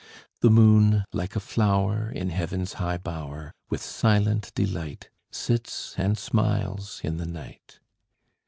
The moon, like a flower In heaven's high bower, With silent delight, Sits and smiles in the night.